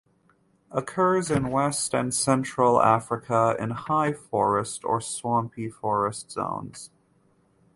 Occurs in West and Central Africa in high forest or swampy forest zones.